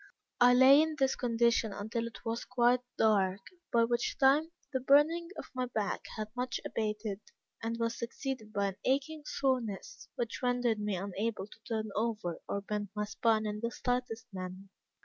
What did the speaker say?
I lay in this condition until it was quite dark, by which time the burning of my back had much abated, and was succeeded by an aching soreness, which rendered me unable to turn over or bend my spine in the slightest manner.